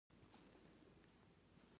د ملي بودیجې لګښت خلکو ته روښانه وي.